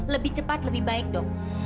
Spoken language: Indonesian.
lebih cepat lebih baik dok